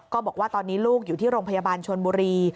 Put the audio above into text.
บอกว่าตอนนี้ลูกอยู่ที่โรงพยาบาลชนบุรี